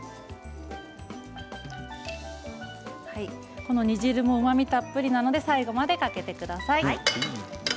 この煮汁もうまみたっぷりなので最後までかけてください。